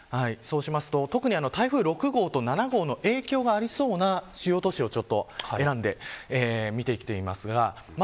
特に台風６号と７号の影響がありそうな主要都市を選んで見ていきます。